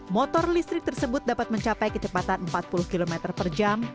motor listrik tersebut dapat mencapai kecepatan empat puluh km per jam